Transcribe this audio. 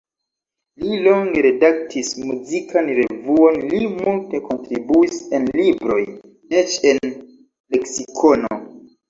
Li longe redaktis muzikan revuon, li multe kontribuis en libroj, eĉ en leksikono.